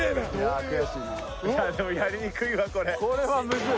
でもやりにくいわこれ。